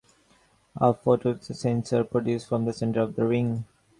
A photoelectric sensor protruded from the center of the ring.